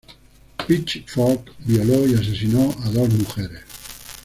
Pitchfork violó y asesinó a dos mujeres.